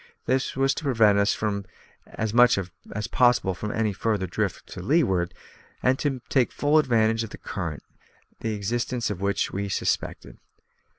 This was to prevent as much as possible any further drift to leeward, and to take full advantage of the current, the existence of which we suspected.